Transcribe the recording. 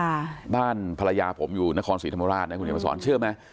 เจ้าท่านภรรยาผมอยู่นครศรีธรรมราชคุณเหลี้ยวประส่อนเชื่อไหม